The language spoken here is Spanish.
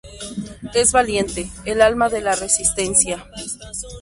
Es valiente: el alma de la resistencia.